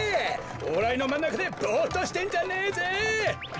おうらいのまんなかでぼっとしてんじゃねえぜ！